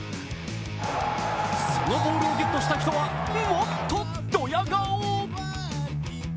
そのボールをゲットした人はもっとドヤ顔。